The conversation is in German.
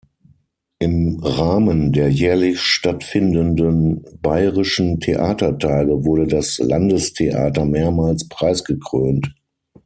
Im Rahmen der jährlich stattfindenden "Bayerischen Theatertage" wurde das Landestheater mehrmals preisgekrönt.